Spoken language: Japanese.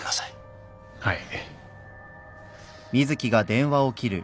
はい。